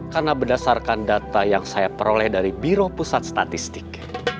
karena berdasarkan data yang saya peroleh dari biro pusat statistik